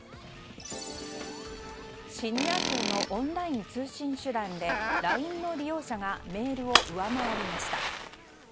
シニア層のオンライン通信手段でＬＩＮＥの利用者がメールを上回りました。